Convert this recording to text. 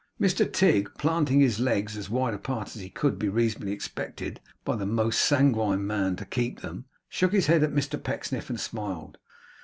Mr Tigg, planting his legs as wide apart as he could be reasonably expected by the most sanguine man to keep them, shook his head at Mr Pecksniff and smiled.